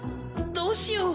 どうしよう。